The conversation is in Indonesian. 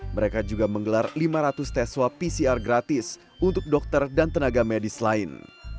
mereka juga menggelar lima ratus tes swab pcr gratis untuk dokter dan tenaga medis lain